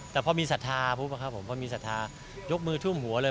แต่พอมีศรัทธาปุ๊บผมพอมีศรัทธายกมือทุ่มหัวเลย